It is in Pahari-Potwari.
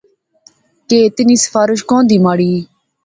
کہ اتنی سفارش کھان دی مہاڑی؟